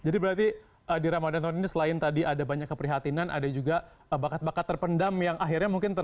jadi berarti di ramadan tahun ini selain tadi ada banyak keprihatinan ada juga bakat bakat terpendam yang akhirnya mungkin terpenam